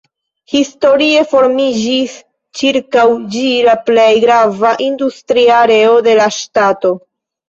Historie formiĝis ĉirkaŭ ĝi la plej grava industria areo de la ŝtato.